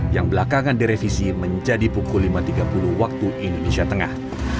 yang belakangan direvisi menjadi pukul lima tiga puluh waktu indonesia tengah